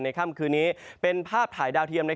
ค่ำคืนนี้เป็นภาพถ่ายดาวเทียม